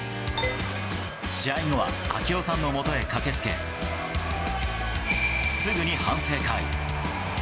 試合後は、啓代さんのもとへ駆けつけ、すぐに反省会。